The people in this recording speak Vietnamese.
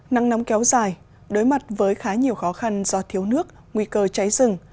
nắng nóng kéo dài đối mặt với khá nhiều khó khăn do thiếu nước nguy cơ cháy rừng